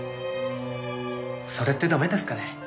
それって駄目ですかね？